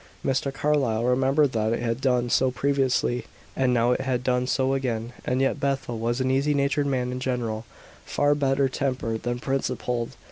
Mr. Carlyle remembered that it had done so previously and now it had done so again, and yet Bethel was an easy natured man in general, far better tempered than principled.